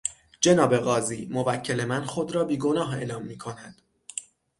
جناب قاضی، موکل من خود را بیگناه اعلام میکند.